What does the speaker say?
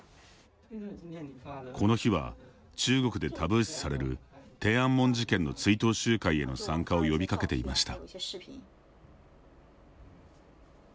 この日は中国でタブー視される天安門事件の追悼集会への参加を呼びかけていました。